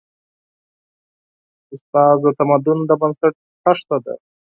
استاد د تمدن د بنسټ خښته ده.